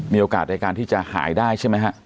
มีโอกาสได้การที่จะหายได้ใช่มั้ยครับ